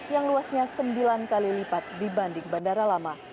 yang luasnya sembilan kali lipat dibanding bandara lama